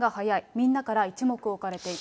みんなから一目置かれていた。